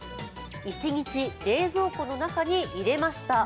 一日冷蔵庫の中に入れました。